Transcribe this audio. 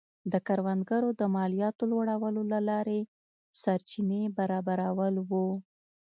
د کروندګرو د مالیاتو لوړولو له لارې سرچینې برابرول و.